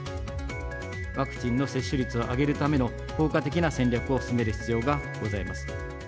ワクチンの接種率を上げるための効果的な戦略を進める必要がございます。